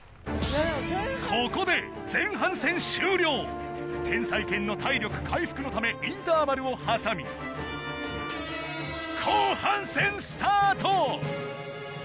ここで前半戦終了天才犬の体力回復のためインターバルを挟みスタート！